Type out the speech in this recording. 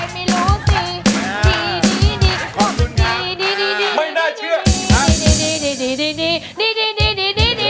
หรือข้างใครล่ะตีจบจะไปไม่รู้สิ